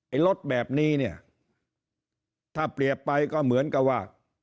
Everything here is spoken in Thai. รถแบบนี้เนี่ยถ้าเปรียบไปก็เหมือนกับว่า